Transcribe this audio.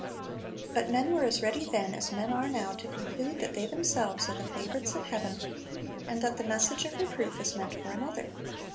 But men were as ready then as men are now to conclude that they themselves are the favorites of heaven, and that the message of reproof is meant for another.